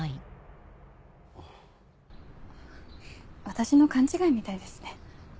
私の勘違いみたいですね。